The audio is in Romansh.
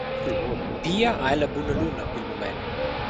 Pia ha ella buna luna pil mument.